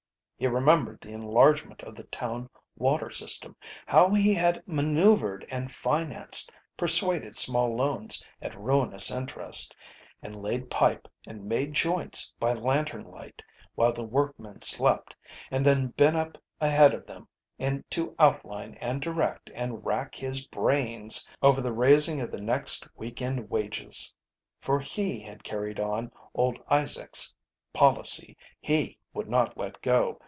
He remembered the enlargement of the town water system how he had manoeuvred and financed, persuaded small loans at ruinous interest, and laid pipe and made joints by lantern light while the workmen slept, and then been up ahead of them to outline and direct and rack his brains over the raising of the next week end wages. For he had carried on old Isaac's policy. He would not let go.